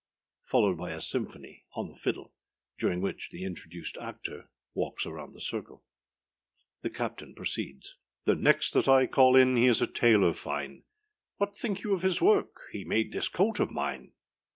Followed by a symphony on the fiddle, during which the introduced actor walks round the circle. The CAPTAIN _proceeds_â The next that I call in He is a tailor fine; What think you of his work? He made this coat of mine!